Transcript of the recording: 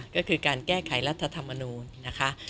ก็คือการแก้ไขรัฐธรรมนูลนะคะ